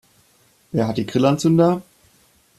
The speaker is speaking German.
Wer hat die Grillanzünder?